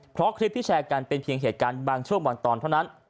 เพราะคลิปที่แชร์กันเป็นเพียงเหตุการณ์บางช่วงบางตอนเท่านั้น